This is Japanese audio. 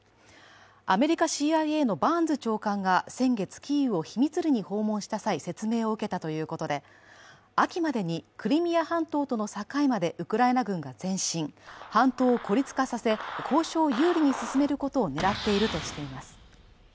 アメリカＣＩＡのバーンズ長官が先月、キーウを秘密裏に訪問した際説明を受けたということで秋までにクリミア半島との境までウクライナ軍が前進、半島を孤立化させ、交渉を有利に進めることを狙っているとしています。